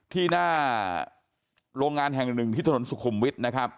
ที่หน้าโรงงานแห่งหนึ่งที่ถนนสุขุมวิทย์นะครับ